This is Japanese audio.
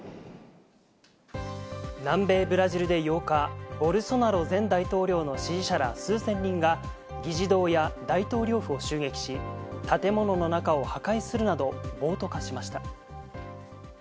南米ブラジルで８日、ボルソナロ前大統領の支持者ら数千人が議事堂や大統領府を襲撃し、建物の中を破壊するなど暴徒化しました。